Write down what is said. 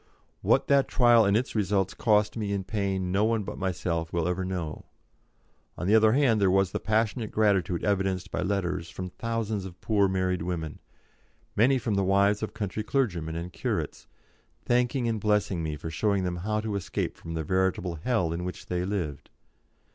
What that trial and its results cost me in pain no one but myself will ever know; on the other hand, there was the passionate gratitude evidenced by letters from thousands of poor married women many from the wives of country clergymen and curates thanking and blessing me for showing them how to escape from the veritable hell in which they lived.